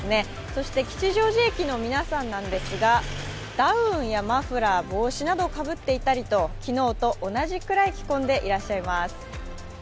そして吉祥寺駅の皆さんなんですがダウンやマフラー、帽子などをかぶっていたりと昨日と同じぐらい着こんでいらっしゃいます。